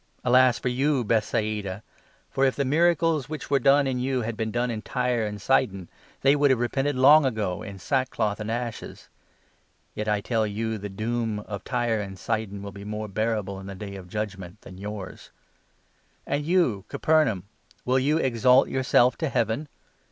Alas for you, Bethsaida ! For, if 21 the miracles which were done in you had been done in Tyre and Sidon, they would have repented long ago in sackcloth and ashes. Yet, I tell you, the doom of Tyre and Sidon will be more 22 bearable in the ' Day of Judgement ' than yours. And 23 you, Capernaum ! Will you ' exalt yourself to Heaven